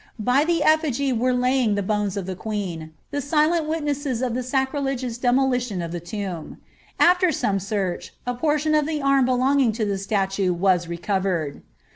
By the effigy were lying the bones of the queen, the silent witnesses of the sacrilegious demolition of the tomb. After some search, a portion of the arm belonging to the statue was recovered.'